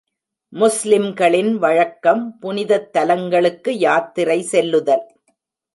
முஸ்லிம்களின் வழக்கம் புனிதத் தலங்களுக்கு யாத்திரை செல்லுதல்.